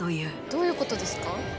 どういうことですか？